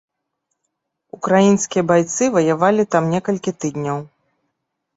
Украінскія байцы ваявалі там некалькі тыдняў.